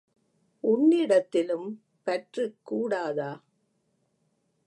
உன்னிடத்திலும் பற்றுக் கூடாதா?